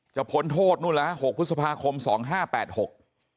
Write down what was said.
พ้นโทษนู่นแล้วฮะหกพฤษภาคมสองห้าแปดหก